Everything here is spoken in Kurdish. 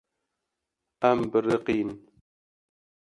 Em biriqîn.